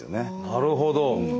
なるほど。